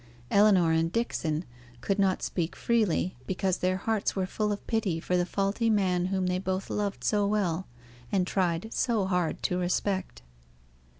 Ellinor and Dixon could not speak freely, because their hearts were full of pity for the faulty man whom they both loved so well, and tried so hard to respect.